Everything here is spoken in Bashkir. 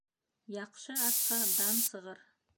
Яҡшы атҡа дан сығыр